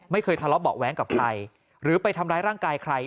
ไม่เคยทะเลาะเบาะแว้งกับใครหรือไปทำร้ายร่างกายใคร